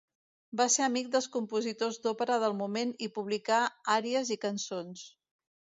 Va ser amic dels compositors d'òpera del moment, i publicà àries i cançons.